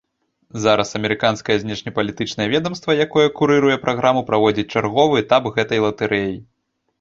Зараз амерыканскае знешнепалітычнае ведамства, якое курыруе праграму, праводзіць чарговы этап гэтай латарэі.